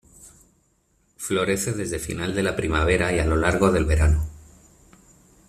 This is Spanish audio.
Florece desde final de la primavera y a lo largo del verano.